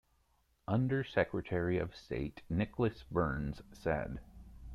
Undersecretary of State Nicholas Burns said.